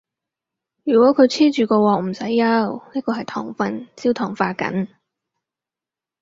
如果佢黐住個鑊，唔使憂，呢個係糖分焦糖化緊